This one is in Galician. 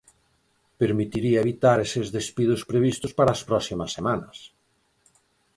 Permitiría evitar eses despidos previstos para as próximas semanas.